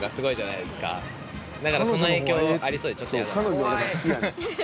［彼女が好きやねん］